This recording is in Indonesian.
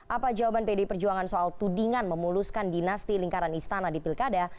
apa jawaban pdi perjuangan soal tudingan memuluskan dinasti lingkaran istana di pilkada